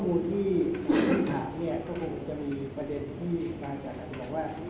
ข้อมูลที่ผู้ติดการนี้เขาก็คงจะมีประเด็นที่มาจากกัน